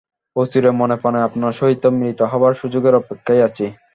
অচিরে মনে প্রাণে আপনার সহিত মিলিত হবার সুযোগের অপেক্ষায় আছি।